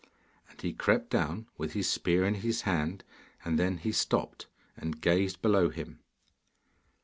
And he crept down with his spear in his hand, and then he stopped and gazed below him.